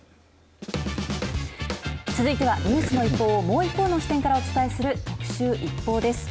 続いてはニュースの一報をもう一方の視点からお伝えする特集ＩＰＰＯＵです。